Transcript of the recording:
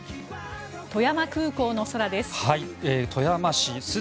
富山空港の空です。